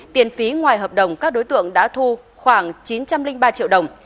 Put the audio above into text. tiền phí ngoài hợp đồng các đối tượng đã thu khoảng chín trăm linh ba triệu đồng